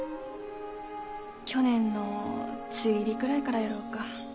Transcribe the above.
去年の梅雨入りぐらいからやろうか。